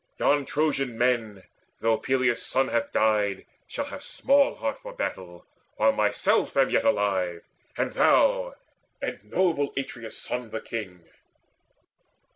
Yon Trojan men, Though Peleus' son hath died, shall have small heart For battle, while myself am yet alive, And thou, and noble Atreus' son, the king."